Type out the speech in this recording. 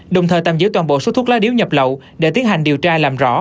đồng thời tạm giữ toàn bộ số thuốc lá điếu nhập lậu để tiến hành điều tra làm rõ